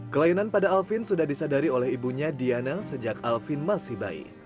kelainan pada alvin sudah disadari oleh ibunya diana sejak alvin masih bayi